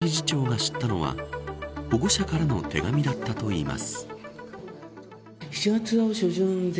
今回の薬物問題について林理事長が知ったのは保護者からの手紙だったといいます。